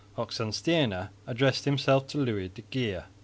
Oxenstierna addressed himself to Louis de Geer.